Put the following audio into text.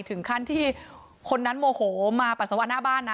ถึงขั้นที่คนนั้นโมโหมาปัสสาวะหน้าบ้านนะ